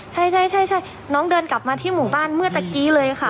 ใช่น้องเดินกลับมาที่หมู่บ้านเมื่อตะกี้เลยค่ะ